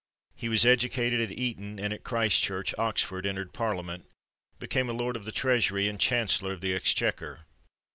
He was educated at Eton and at Christchurch, Oxford, entered Parliament, became a Lord of the Treasury and Chancellor of the Exchequer.